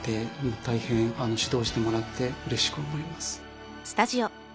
大変指導してもらってうれしく思います。